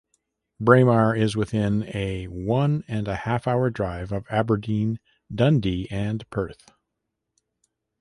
Braemar is within a one-and-a-half-hour drive of Aberdeen, Dundee, and Perth.